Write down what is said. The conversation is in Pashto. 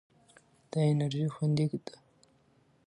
دا انرژي خوندي ده.